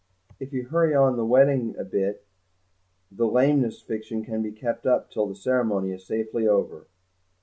If you hurry on the wedding a bit the lameness fiction can be kept up till the ceremony is safely over."